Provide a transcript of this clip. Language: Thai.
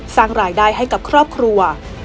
สร้างรายได้ให้กับครอบครัว